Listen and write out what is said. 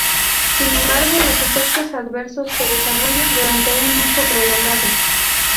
Sin embargo, los efectos adversos se desarrollarán durante un uso prolongado